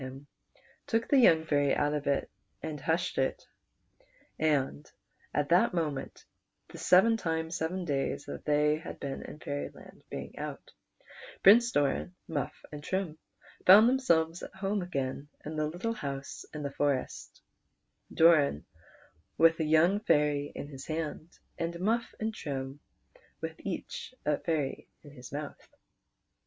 him, he took the young fairy out of it and hushed it ; and at that moment the seven times seven dax'S that they liad been in Fairyland being out, Prince Doran, Muff, and Trim found themselves at home again in the little house in the forest ; Doran with a young fairy in his hand, and Muff and Trim with each a fairy in his mouth.